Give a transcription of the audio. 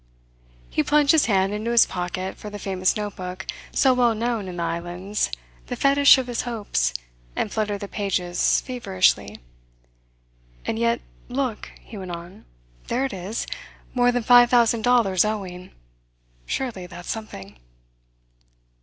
He plunged his hand into his pocket for the famous notebook so well known in the islands, the fetish of his hopes, and fluttered the pages feverishly. "And yet look," he went on. "There it is more than five thousand dollars owing. Surely that's something."